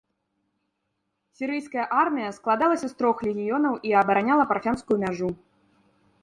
Сірыйская армія складалася з трох легіёнаў і абараняла парфянскую мяжу.